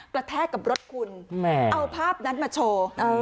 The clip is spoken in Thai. แทกกับรถคุณเอาภาพนั้นมาโชว์